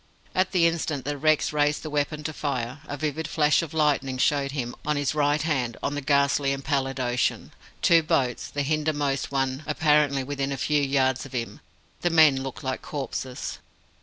At the instant that Rex raised the weapon to fire, a vivid flash of lightning showed him, on his right hand, on the ghastly and pallid ocean, two boats, the hindermost one apparently within a few yards of him. The men looked like corpses.